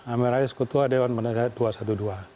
amin rais ketua dewan pendidikan dua ratus dua belas